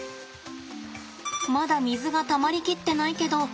まだ水がたまり切ってないけど。